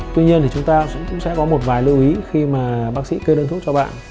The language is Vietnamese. tuy nhiên thì chúng ta cũng sẽ có một vài lưu ý khi mà bác sĩ kê đơn thuốc cho bạn